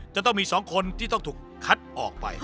จะต้องมี๒คนที่ต้องถูกคัดออกไป